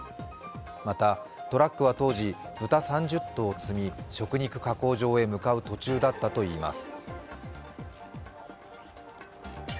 また、トラックは当時豚３０頭を積み食肉加工場へ向かう途中だったといいます。